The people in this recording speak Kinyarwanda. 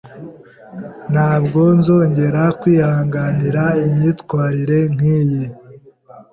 Ntabwo nzongera kwihanganira imyitwarire nkiyi.